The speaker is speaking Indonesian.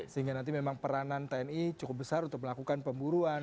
sehingga nanti memang peranan tni cukup besar untuk melakukan pemburuan